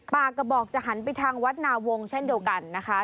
กระบอกจะหันไปทางวัดนาวงศ์เช่นเดียวกันนะคะ